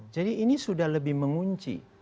ini sudah lebih mengunci